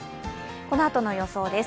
このあとの予想です。